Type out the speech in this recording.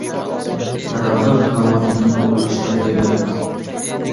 Tarovih namozining o‘qilish tartibi